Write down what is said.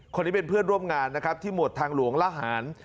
คนนี้เป็นเพื่อนร่วมงานนะครับที่หมวดทางหลวงละหาร